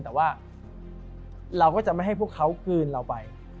แต่ว่าเราก็จะไม่ให้พวกเขากลืนเราไป